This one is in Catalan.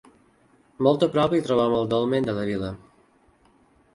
Molt a prop hi trobem el Dolmen de la Vila.